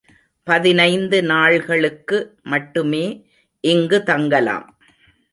பதினைந்து நாள்களுக்கு மட்டுமே இங்குத் தங்கலாம்.